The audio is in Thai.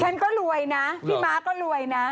ฉันก็รวยนะพี่ม้าก็รวยนะ